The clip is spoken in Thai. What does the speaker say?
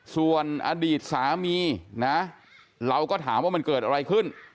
ส่วนอดีตสามีนะเราก็ถามว่ามันเกิดอะไรขึ้น